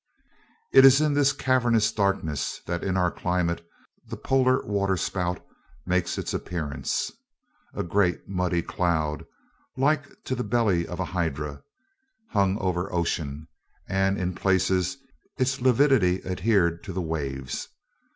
It is in this cavernous darkness that in our climate the Polar waterspout makes its appearance. A great muddy cloud, like to the belly of a hydra, hung over ocean, and in places its lividity adhered to the waves.